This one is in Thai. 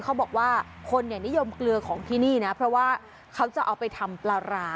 เขาบอกว่าคนเนี่ยนิยมเกลือของที่นี่นะเพราะว่าเขาจะเอาไปทำปลาร้า